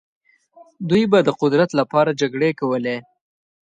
دوی به د قدرت لپاره جګړې کولې.